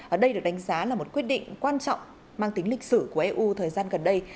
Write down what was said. và đây được đánh giá là một quyết định quan trọng mang tính lịch sử của eu thời gian gần đây